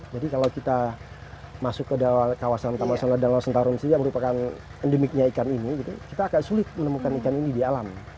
jadi kalau kita masuk ke kawasan kawasan ladang ladang sentarung ini yang merupakan endemiknya ikan ini kita agak sulit menemukan ikan ini di alam